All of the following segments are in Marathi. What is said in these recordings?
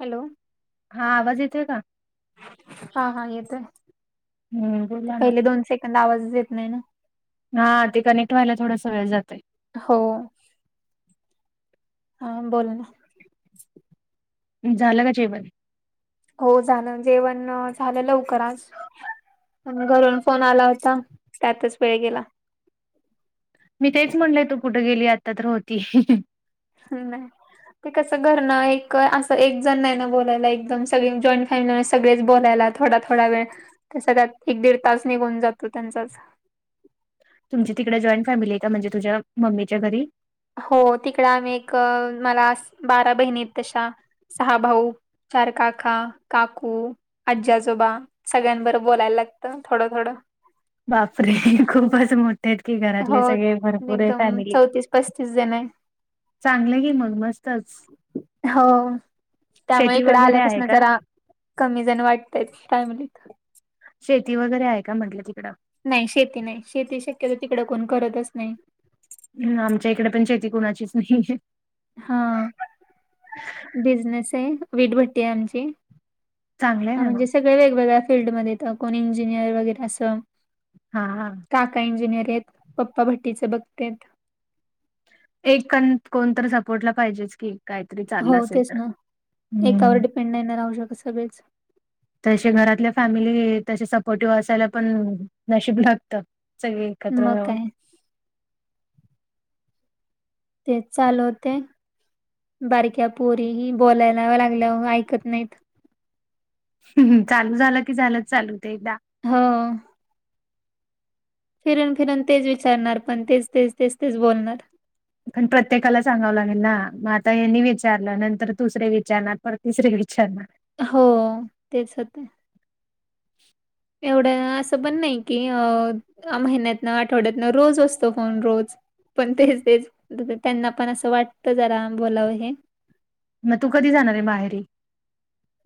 हॅलो. हा, आवाज येतोय का? हा.. हा, येतोय. हम्म ते बोला ना. पहिले दोन सेकंद आवाजच येत नाही ना? हा, ते कनेक्ट व्हायला थोडासा वेळं जातंय. हो. हा, बोल ना. झालं का जेवण? हो, झालं जेवण झालं लवकर आज. घरून फोन आला होता, त्यातच वेळ गेला. मी तेच म्हणलंय, तू कुठे गेली? आत्ता तर होती. हं, नाही. ते कसं घर ना, एक असं एक जण नाही ना बोलायला. एकदम सगळे जॉईंट फॅमिलीने, सगळेच बोलायलात. थोडा-थोडा वेळ तर, सगळ्यात एक-दीडतास निघून जातो त्यांचाच. तुमच्या तिकडं जॉईंट फॅमिली आहे का? म्हणजे तुझ्या मम्मीच्या घरी. हो तिकडं आम्ही एक मला बारा बहिणी आहेत तशा, सहा भाऊ, चार काका, काकू. आज्जी आजोबा सगळ्यांबरं बोलायला लागतं थोडं -थोडं. बापरे! खूपच मोठ तेच कि हो घरातले सगळे भरपूर आहे एकदम फॅमिली. चौतीस पस्तीस जण आहे चांगलं की मग मस्तच, हो त्यामुळे शेती इकडे वगैरे आहे आल्यापासून का? जरा कमी जण वाटतायत, फॅमिलीत. शेती वगैरे आहे का म्हटलं तिकडं? नाही, शेती नाही शेती शक्यतो तिकडं कोण करतच नाही. हं, आमच्या इकड पण शेती कुणाचीच नाही. हा, बिझनेस हाय वीट भट्टी आहे आमची. चांगलं आहे ह, ना मग. म्हणजे सगळ वेगवेगळ्या फिल्डमध्ये कोणी इंजिनियर वगैरे असं. हा, हा. काका इंजिनियर आहेत, पप्पा भट्टीचे बघतेयत. एक कण, कोणतर सपोर्टला पाहिजेच की. कायतरी चाललं हो असेल तेच तर, ना एकावर हम्म. डिपेंड नाही ना राहू शकत सगळेच तसे घरातल्या फॅमिली तसे सपोर्टिव्ह असायला पण, नशीब लागत. सगळी एकत्र मग राहून. काय तेच चालवते. बारक्या पोरी ही बोलायला लागल्यावर ऐकत नाहीत. ह्म्म्म, चालू झालं की झालंच चालू ते एकदा. हा. फिरून -फिरून तेच विचारणार पण तेच, तेच, तेच, तेच बोलणार. पण प्रत्येकाला सांगावं लागेल ना, म आता हेनी विचारलं नंतर दुसरे विचारणार, परत तिसरे विचारणार. हो तेच होते. एवढं असं पण नाही, की अ, महिन्यातन, आठवड्यातन रोज असतो फोन रोज. पण तेच, तेच जस त्यांना पण असं वाटतं जरा बोलावं हे. मग तू कधी जाणार आहे माहेरी?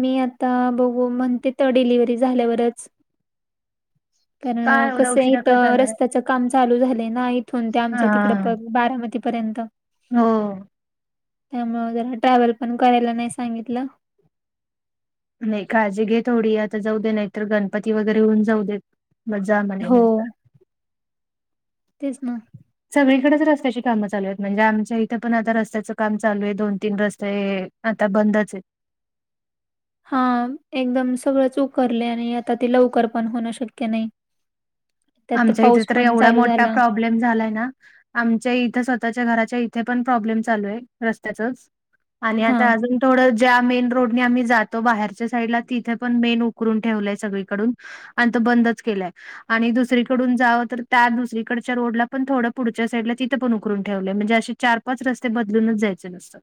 मी आता बघू म्हणते, तर डिलिव्हरी झाल्यावरच. पण का एवढा कस हाय उशिरा इथ का जाणार आहे रस्त्याच काम चालू झालय ना, इथून ते आमच्या तिकड हा पग बारामतीपर्यंत. हो. त्यामुळ जरा ट्रॅव्हल पण करायला नाही सांगितलं. नाही काळजी घे थोडी, आता जाऊ दे नाहीतर गणपती वगैरे होऊन जाऊ देत म, जा म्हण हो नंतर. तेच ना. सगळीकडच रस्त्याची कामं चालू आहेत, म्हणजे आमच्या इथ पण आता रस्त्याचं काम चालू हेय. दोन- तीन रस्ते आता बंदच आहेत. हा एकदम सगळंच उकरलय आणि आता ते लवकर पण होणं शक्य नाही. त्यात आमच्या इथ पाऊस तर पण एवढा चालू मोठा झाला प्राब्ल ब्लेम झालाय ना, आमच्या इथे स्वतःच्या घराच्या इथे पण प्रॉब्लेम चालूय. रस्त्याचच आणि हा आता अजून थोडं ज्या मेन रोडने आम्ही जातो बाहेरच्या साईडला तिथे पण मेन उकरून ठेवलंय सगळीकडून. आणि तो बंदच केलाय आणि दुस दुसरीकडून जाव तर, त्या दुसरीकडच्या रोडला पण थोडं पुढच्या साईडला तिथं पण उकरून ठेवलंय. म्हणजे अशी चार- पाच रस्ते बदलूनच जायचे नुसतं.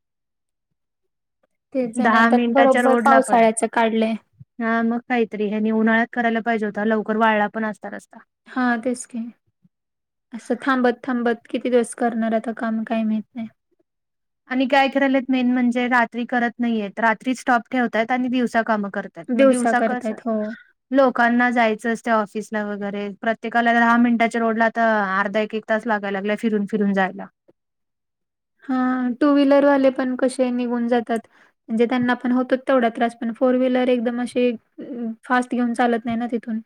तेच दहा जणंत मिनिटाच्या बरोबर रोडला पण पावसाळ्याच काढलय. हा मग काहीतरी, हेनी उन्हाळ्यात करायला पाहिजे होता लवकर वाळला पण असता रस्ता. हा तेच कि असं थांबत- थांबत. किती दिवस करणार आता काम काही माहीत नाही आणि काय करायले आहेत मेन म्हणजे रात्री करत नाहीयेत रात्री स्टॉप ठेवतायत आणि दिवसा कामं करत त्यात मग दिवसा कसं करतायत हो लोकांना जायचं असते ऑफिसला वगैरे प्रत्येकाला दहा मिनिटाच्या रोडला तर अर्धा एक एक तच लागाय लागल्या फिरून फिरून जायला हां टू व्हीलरवाले पण कशे निघून जातात म्हणजे त्यांना पण होतोच तेवढा त्रास पण फोर व्हीलर एकदम अशे फास्ट घेऊन चालत नाही ना तिथून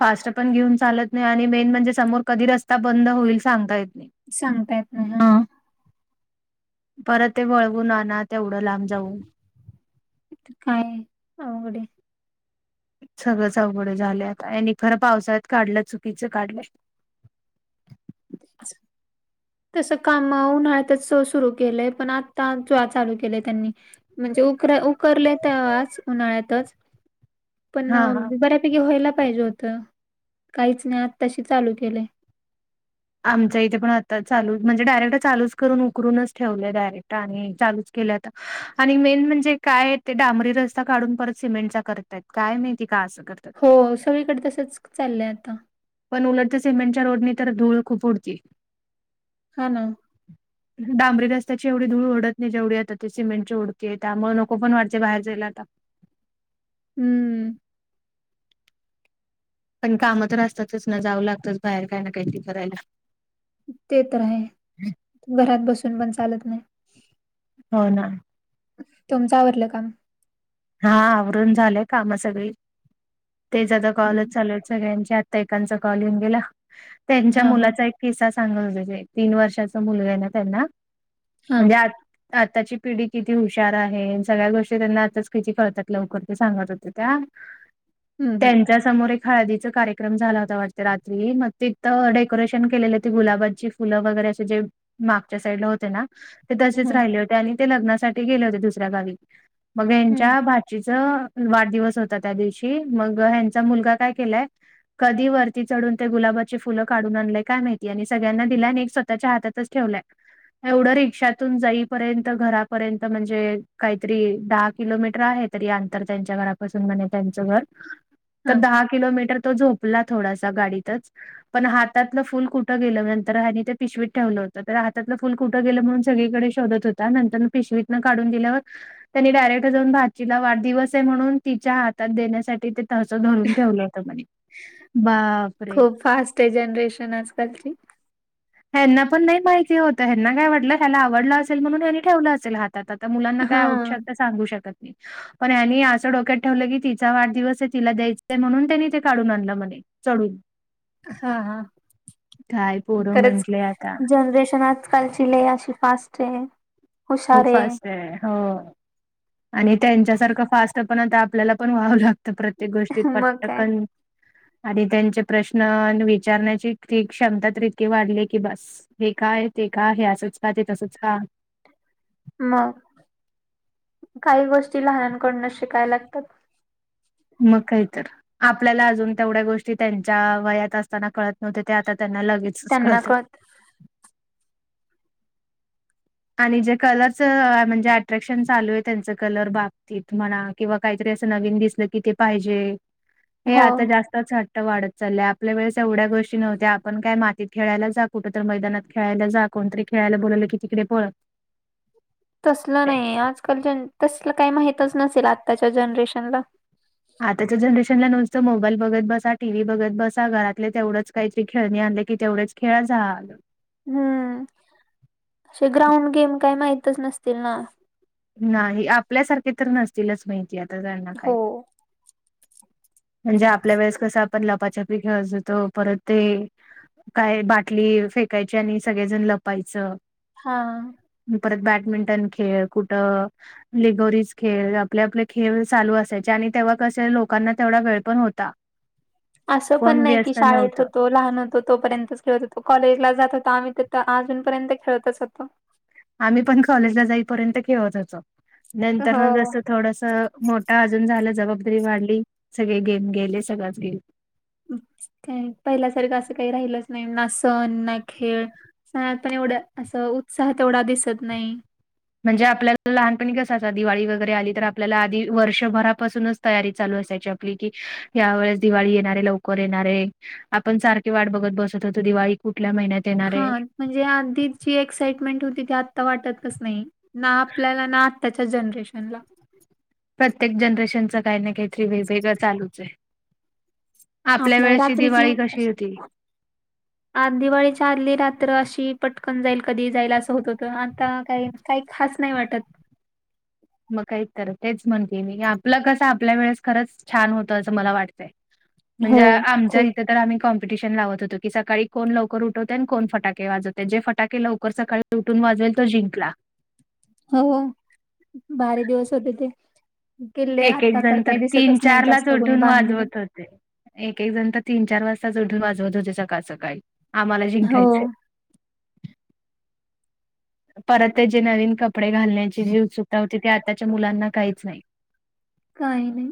फास्ट पण घेऊन चालत नाही आणि मेन म्हणजे समोर कधी रस्ता बंद होईल सांगता येत नाही सांगता येत नाही [inaudible] परत ते वळवून आना तेवढं लांब जाऊन काय अवघडए सगळंच अवघड झालं आता आणि खरं पावसाळ्यात काढलं चुकीचं काढलंय [inaudible] तस काम उन्हाळ्यातच स सुरू केलंय पण आता आमचं चालू केलंय त्यांनी म्हणजे उ उकरले तेव्हाच उन्हाळ्यातच पण हा हा. बऱ्यापैकी व्हायला पाहिजे होतं तर काहीच नाही आजताशी चालू केलेय आमच्या इथे पण आता चालू म्हणजे डायरेक्ट चालूच करून उकरूनच ठेवले डायरेक्ट आधी चालूच केलय आता आणि मेन म्हणजे काय ते डांबरी रस्ता काढून परत सिमेंटचा करतायत काय माहिती का असं करतात हो सगळीकडे तसंच चाललंय आता पण उलटते सिमेंटच्या रोडने तर धूळ खूप उडतीए हा [inaudible] डांबरी रस्त्याची एवढी धूळ उडत नाही जेवढी आता ते सिमेंटची उडतेय त्यामुळे नको पण वाटयते बाहेर जायला आता हम्म पण काम तर असतातच ना जाऊ लागतच बाहेर काय ना काही ते करायला ते तर आहे घरात बसून पण चालत नाही हो ना तुमचं आवडलं काम हा आवरून झालंय कामा सगळी तेचं जता कॉलज चालयच सगळ्यांच्या आता एकांचा कॉल येऊन गेला त्यांच्या हा हा मुलाचा एक फिसा सांगाे तीन वर्षाचा मुलग आहे ना त्यांना हा म्हणजे आ [inaudible] आताची पिढी किती हुशार आहे सगळ्या गोष्टी त्यांना आताच कळतात लवकर ते सांगत होते त्या हम्म हम्म [unintelligible] त्या समोर एक हळदीचा कार्यक्रम झाला होता वाटते रात्री मग तिथं डेकोरेशन केलेले होती गुलाबाची फुलं वगैरे असे जे मागच्या साईड ला होते ना ते तसेच हम्म राहिले होते आणि ते लग्नासाठी गेले होते दुसऱ्या गावी मग [unintelligible] हम्म च्या भाचीच वाढदिवस होता त्या दिवशी मग ह्यांचा मुलगा काय केलय कधी वरती चढून ते गुलाबाची फुलं काढून आणलेय काय माहिती आणि सगळ्यांना दिला आणि एक स्वतःच्या हातच ठेवलाय एवढं रिक्षातून जाईपर्यंत घरापर्यंत म्हणजे काहीतरी डाक किलोमीटर आहे तरी अंतर त्यांच्या घराून म्हने त्यांचं घर तर हा दहा किलोमीटर तो झोपला थोडासा गाडीतच पण हातलं फुल कुठं गेलं नंतर हनी ते पिशवीत ठेवलं होतं तर हात फुल कुठे गेलं म्हणून सगळीकडे शोधत होता नंतर पिशवितंन काढून दिल्यावर तेनी डायरेक्ट जाऊन भाचीला वाढदिवस आहे म्हणून तिच्या हातात देण्यासाठी ते तस धरून ठेवलं होतं म्हणे बा खूप फास्ट आहे जनरेशन आजकालची. ह्यांना पण नाही माहिती होतं ह्यांना काय वाटलं ह्याला आवडलं असेल म्हणून ह्यांनी ठेवलं असेल हा तात. आता मुलांना हा काय आवडू शकतं सांगू शकत नाही. पण ह्यांनी असं डोक्यात ठेवलं की तिचा वाढदिवस आहे, तिला द्यायचंय म्हणून त्यांनी ते काढून आणलं म्हणे चढून. हा हा. काय पोरं खरंच. म्हंटले आता जनरेशन आजकालची लय अशी फास्टय. खूप फास्ट आहे, हो. आणि त्यांच्यासारखं फास्ट पण आता आपल्याला पण व्हावं लागतं प्रत्येक गोष्टीत मग काय पटकन आणि त्यांचे प्रश्न अन् विचारण्याची ती क्षमता ती तर इतकी वाढली की बस. हे काय ते का हे असंच का ते तसंच का? मग, काही गोष्टी लहनांकडनं शिकाय लागतात. मग कायतर. आपल्याला अजून तेवढ्या गोष्टी त्यांच्या वयात असताना कळत नव्हत्या ते आता त्यांना लगेच त्यांना कळतं. आणि जे कलरच म्हणजे अट्रॅक्शन चालू आहे त्यांच कलर बाबतीत म्हणा किंवा काहीतरी असं नवीन दिसलं कि ते पाहिजे, हे हो आता जास् त हट्ट वाढत चालाय. आपल्या वेळेस एवढ्या गोष्टी नव्हत्या, आपण काय मातीत खेळायला जा कुठं तर मैदानात खेळायला जा. कोणतरी खेळायला बोलवलं की तिकडे पळ. तसलं नाही आजकाल जन तसलं काही माहीतच नसेल आत्ताच्या जनरेशनला. आताच्या जनरेशनला नुसतं मोबाईल बघत बसा. टी व्ही बघत बसा, घरातले तेवढंच काहीतरी खेळणी आणले की तेवढेच खेळा झालं. हम्म, असे ग्राउंड गेम काही माहितच नसतील ना नाही आपल्यासारखे तर नसतीलच माहिती आता त्यांना काही. [inaudible] म्हणजे आपल्या वेळेस कसं आपण लपाछपी खेळत होतो परत ते काय बाटली फेकायची आणि सगळेजण लपायचं. हा. परत बॅडमिंटन खेळ कुठं लिगोरीज खेळ आपले आपले खेळ चालू असायचे आणि तेव्हा कसे लोकांना तेवढा वेळ पण होता. असं कोण पण नाही की व्यस्त शाळेत नव्हतं होतो लहान होतो तोपर्यंतच खेळत होतो. कॉलेजला जात होतो आम्ही तर अजूनपर्यंत खेळतच होतो. आम्ही पण कॉलेजला जाईपर्यंत खेळत होतो नंतर हो जसं थोडस मोठा अजून झाला जबाबदारी वाढली सगळे गेम गेले सगळ गेलं. काय पहिल्यासारखं असं काही राहिलंच नाही ना सण ना खेळ [unintelligible] आता एवढा असं उत्साह तेवढा दिसत नाही. म्हणजे आपल्याला लहानपणी कसं दिवाळी वगैरे आली तर आपल्याला आधी वर्षभरापासूनच तयारी चालू असायची आपली कि यावेेळेस दिवाळी येणारे लवकर येणारे आपण सारखी वाट बघत बसत होतो, दिवाळी कुठल्या महिन्यात येणारे हा म्हणजे आधी जी एक्साइटमेंट होती ती आत्ता वाटतच नाही. ना आपल्याला ना आताच्या जनरेशनला. प्रत्येक जनरेशनचं काही ना काहीतरी वेगवेगळं चालूच हाय. आपल्या वेळेची रात्रीची दिवाळी कशी अशी होती. आ दिवाळीच्या आदली रात्र अशी पटकन जाईल कधी जायला असं होत होत आता काय काही खास नाही वाटत. मग काही तर तेच म्हणते मी आपलं कसं आपल्या वेळेस खरच छान होतं असं मला वाटतंय. म्हणजे हो, आमच्या खूप इथ तर आम्ही कॉम्पिटिशन लावत होतो की सकाळी कोण लवकर उठवतय आणि कोण फटाके वाजवतय जे फटाके लवकर सकाळी उठून वाजवेल तो जिंकला. हो भारी दिवस होते ते. किल्ले एक एक आता तर जण काही तीन दिसतच नाही चार लाच जास्त कुणी उठून बांधलेले. वाजवत होते. एक एक जण तर तीन चार वाजता उठून वाजवत होते सकाळ सकाळी आम्हाला हो. जिंकायचंय. परत ते जे नवीन कपडे घालण्याची जी उत्सुकता होती ते आताच्या मुलांना काहीच नाही. [inaudible] काही नाही.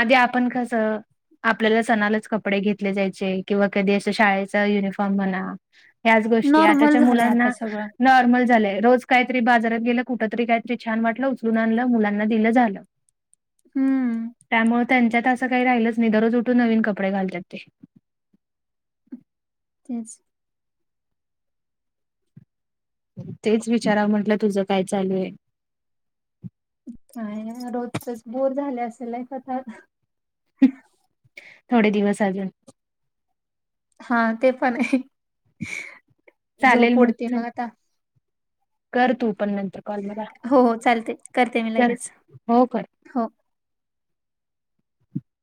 आधी आपण कसं आपल्याला सणालाच कपडे घेतले जायचे किंवा कधी असं शाळेचा युनिफॉर्म म्हणा ह्याच गोष्टी आत नॉर्मल झालंय आता सगळं. नॉर्मल झालंय रोज काहीतरी बाजारात गेलं कुठ तरी काहीतरी छान वाटलं उचलून आणलं मुलांना दिलं झालं. हम्म, [inaudible] त्यामुळे त्यांच्यात असं काही राहिलच नाही दररोज उठून नवीन कपडे घालतात ते. तेच. तेच विचाराव म्हंटलं तुझं काय चालू हे? काय नाय रोजचच बोर झाले असे लाईफ आता. थोडे दिवस अजून. हा ते पण हय. चालेल मग चल. कर तू पण नंतर कॉल मला हो हो चालतय करते मी कर लगेच हो कर. हो.